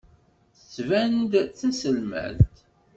Tettban-d d taselmadt.